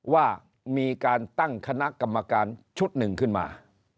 ว่ามีการตั้งคณะกรรมการชุดหนึ่งขึ้นมา